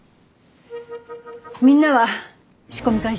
みんなは仕込み開始。